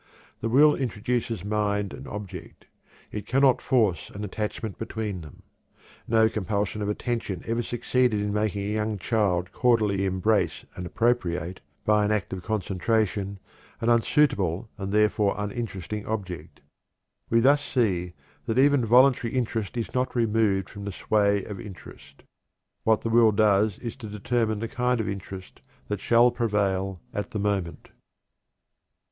The will introduces mind and object; it cannot force an attachment between them. No compulsion of attention ever succeeded in making a young child cordially embrace and appropriate, by an act of concentration, an unsuitable and therefore uninteresting object. We thus see that even voluntary interest is not removed from the sway of interest. What the will does is to determine the kind of interest that shall prevail at the moment."